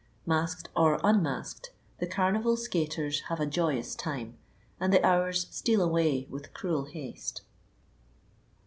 Masked or unmasked, the carnival skaters have a joyous time, and the hours steal away with cruel haste.